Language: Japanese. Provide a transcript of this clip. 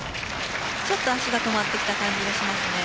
ちょっと足が止まってきた感じがしますね。